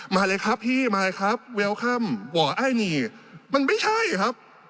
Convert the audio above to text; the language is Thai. มาเลยครับพี่มาเลยครับเวลค่ำวอร์ไอ้นี่มันไม่ใช่ครับ